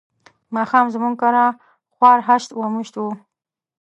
ماښام زموږ کره خوار هشت و مشت وو.